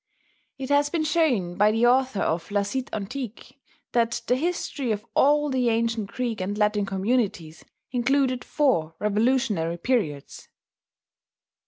It has been shown by the author of La Cite Antique that the history of all the ancient Greek and Latin communities included four revolutionary periods.